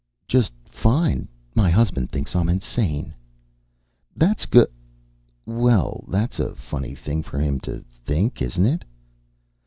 "Just fine. My husband thinks I'm insane." "That's g Well, that's a funny thing for him to think, isn't it?"